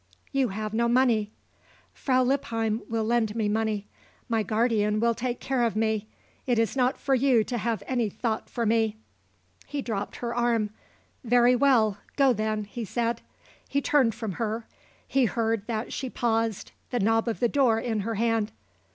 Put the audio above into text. "You have no money." "Frau Lippheim will lend me money. My guardian will take care of me. It is not for you to have any thought for me." He dropped her arm. "Very well. Go then," he said. He turned from her. He heard that she paused, the knob of the door in her hand.